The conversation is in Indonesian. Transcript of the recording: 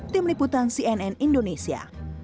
tim liputan cnn indonesia